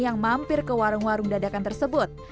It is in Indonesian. yang mampir ke warung warung dadakan tersebut